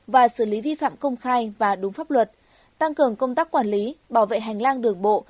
và xử lý vi phạm công khai và đúng pháp luật tăng cường công tác quản lý bảo vệ hành lang đường bộ